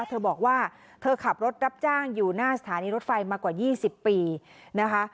เธอบอกว่าเธอขับรถรับจ้างอยู่หน้าสถานีรถไฟมากว่า๒๐ปีนะคะ